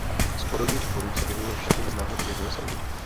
Z podobných tvorů se vyvinuly všechny známé druhy dinosaurů.